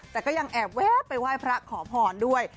แต่ก็ยังแอบแวะไปไหว้พระขอพรด้วย